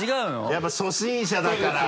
やっぱ初心者だから。